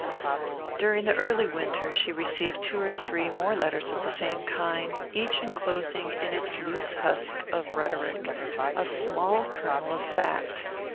During the early winter she received two or three more letters of the same kind, each enclosing in its loose husk of rhetoric a smaller kernel of fact.